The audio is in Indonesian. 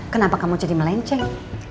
kenapa kamu jadi melenceng